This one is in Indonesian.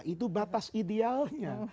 itu batas idealnya